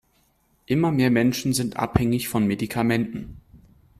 Immer mehr Menschen sind abhängig von Medikamenten.